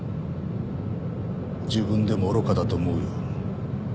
自分でも愚かだと思うよ。